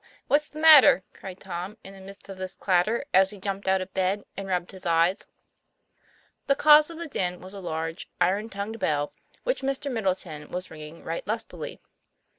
what's the matter ?" cried Tom, in the midst of this clatter, as he jumped out of bed and rubbed his eyes. The cause of the din was a large, iron tongued bell, which Mr. Middleton was ringing right lustily.